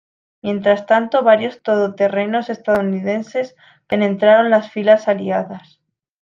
Mientras tanto varios todoterrenos ""estadounidenses"" penetraron las filas aliadas.